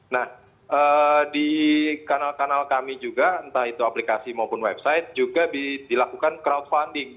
nah di kanal kanal kami juga entah itu aplikasi maupun website juga dilakukan crowdfunding